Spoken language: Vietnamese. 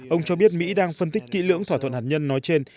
ông cho biết mỹ đang phân tích kỹ lưỡng thỏa thuận hạt nhân